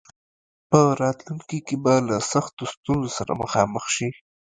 په راتلونکي کې به له سختو ستونزو سره مخامخ شي.